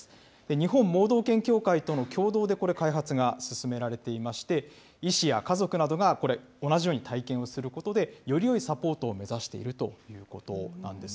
日本盲導犬協会との共同でこれ、開発が進められていまして、医師や家族などが同じように体験をすることで、よりよいサポートを目指しているということなんです。